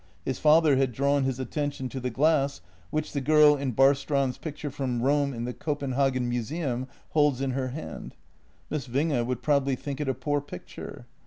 His father had drawn his attention to the glass, which the girl in Barstrand's picture from Rome in the Copenhagen museum holds in her hand. Miss Winge would probably think it a poor picture.